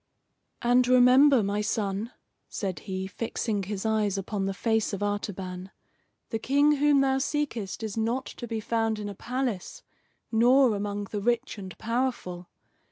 "And remember, my son," said he, fixing his eyes upon the face of Artaban, "the King whom thou seekest is not to be found in a palace, nor among the rich and powerful.